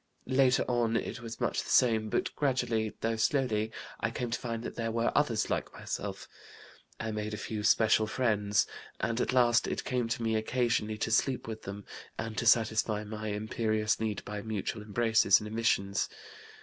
Later on it was much the same, but gradually, though slowly, I came to find that there were others like myself. I made a few special friends, and at last it came to me occasionally to sleep with them and to satisfy my imperious need by mutual embraces and emissions.